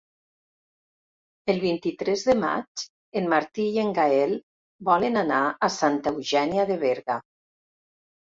El vint-i-tres de maig en Martí i en Gaël volen anar a Santa Eugènia de Berga.